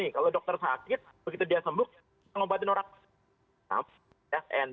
kalau dokter sakit begitu dia sembuh ngobatin orang sakit